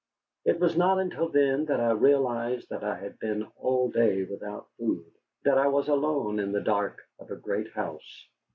It was not until then that I realized that I had been all day without food that I was alone in the dark of a great house.